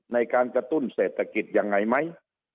ในการกระตุ้นเศรษฐกิจยังไงไหม